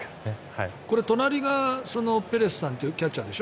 これ隣がペレスさんというキャッチャーでしょ。